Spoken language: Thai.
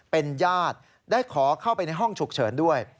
เป็นญาติได้ขอเข้าไปในห้องฉุกเฉินด้วย